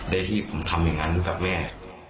ได้ที่ผมทำอย่างนั้นกับแม่